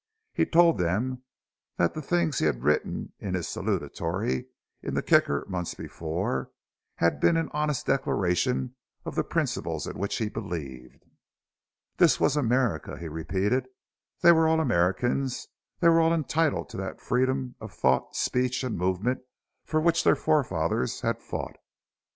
He told them that the things he had written in his salutatory in the Kicker, months before, had been an honest declaration of the principles in which he believed. This was America, he repeated; they were all Americans; they were all entitled to that freedom of thought, speech, and movement for which their forefathers had fought.